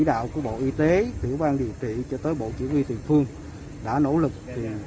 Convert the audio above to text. tất cả bệnh nhân đều có ba lần và có những bốn là âm tính